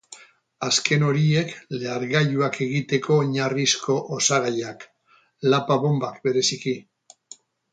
Azken horiek lehergailuak egiteko oinarrizko osagaiak, lapa-bonbak bereziki.